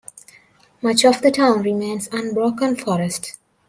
Much of the town remains unbroken forest.